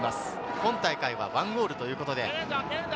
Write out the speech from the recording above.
今大会は１ゴールということで。